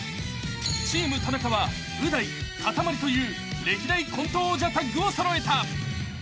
［チーム田中はう大かたまりという歴代コント王者タッグを揃えた］